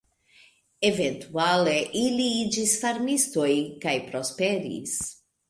Eventuale, ili iĝis farmistoj kaj prosperis.